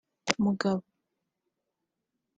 ’ Mugabo